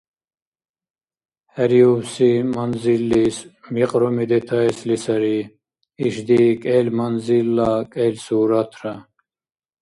ХӀериубси манзиллис бикьруми детаэсли сари ишди кӀел манзилла кӀел суратра.